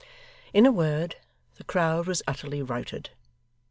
In a word, the crowd was utterly routed.